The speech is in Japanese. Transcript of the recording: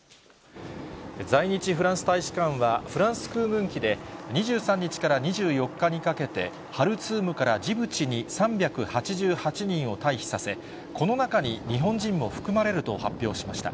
在日フランス大使館はフランス空軍機で、２３日から２４日にかけて、ハルツームからジブチに３８８人を退避させ、この中に日本人も含まれると発表しました。